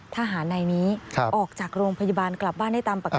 ทหารในนี้ออกจากโรงพยาบาลกลับบ้านได้ตามปกติ